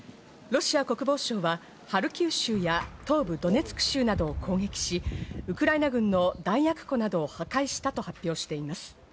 ロシア国防省はハルキウ州や東部ドネツク州などを攻撃し、ウクライナ軍の弾薬庫などを破壊したと発表しています。